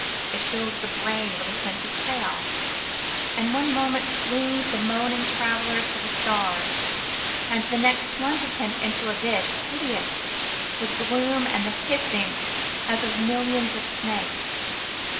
It fills the brain with a sense of chaos, and one moment swings the moaning traveller to the stars, and the next plunges him into an abyss hideous with gloom and the hissing as of millions of snakes.